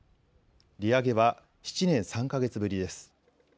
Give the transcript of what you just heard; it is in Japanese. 利上げは７年３か月ぶりです。